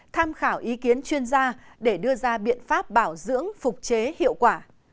tham khảo ý kiến chuyên gia để đưa ra biện pháp bảo dưỡng phục chế hiệu quả